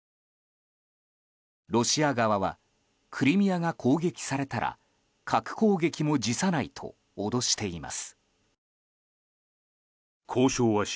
ロシア側はクリミアが攻撃されたら核攻撃も辞さないと脅しています。